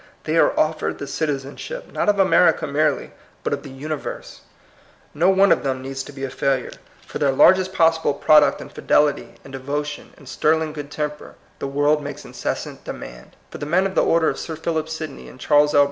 They are offered the citizenship, not of America merely, but of the universe. No one of them needs to be a failure. For their largest possible 206 THE COMING PEOPLE, product in fidelity, in devotion, in sterling good temper, the world makes incessant demand. For the men of the order of Sir Philip Sidney and Charles L.